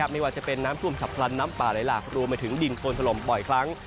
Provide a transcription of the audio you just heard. ไม่ว่าจะเป็นน้ำท่วมฉับพลันน้ำป่าไหลหลากรวมไปถึงดินโคนถล่มบ่อยครั้ง